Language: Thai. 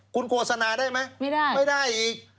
คุณโฆษณาได้ไหมไม่ได้อีก